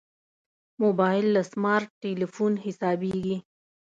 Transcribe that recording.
موبایل له سمارټ تلېفونه حسابېږي.